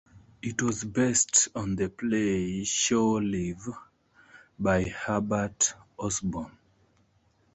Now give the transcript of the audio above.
It was based on the play "Shore Leave" by Hubert Osborne.